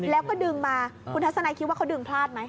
แล้วก็ดึงมาคุณทัศนัยคิดว่าเขาดึงพลาดไหม